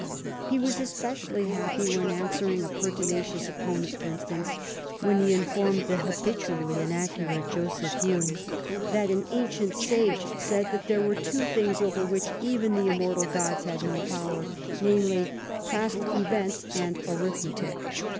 He was especially happy when answering a pertinacious opponent, for instance, when be informed the habitually inaccurate Joseph Hame that *^ an ancient sage said that there were two things over which even the immortal gods had no power, namely, past events and arithmetic.